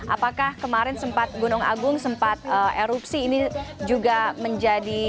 apakah kemarin sempat gunung agung sempat erupsi ini juga menjadi